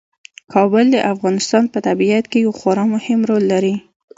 کابل د افغانستان په طبیعت کې یو خورا مهم رول لري.